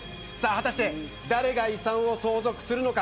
果たして誰が遺産を相続するのか。